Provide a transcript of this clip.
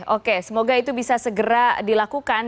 oke semoga itu bisa segera dilakukan